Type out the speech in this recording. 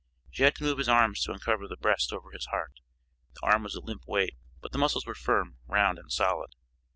She had to move his arm to uncover the breast over his heart; the arm was a limp weight, but the muscles were firm, round, and solid.